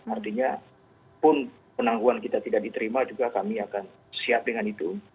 artinya pun penangguhan kita tidak diterima juga kami akan siap dengan itu